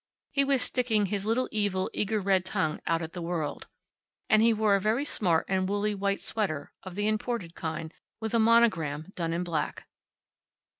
He was sticking his little evil, eager red tongue out at the world. And he wore a very smart and woolly white sweater, of the imported kind with a monogram done in black.